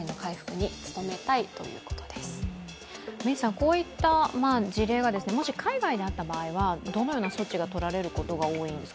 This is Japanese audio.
こういった事例がもし海外であった場合はどのような措置が取られることが多いんですか？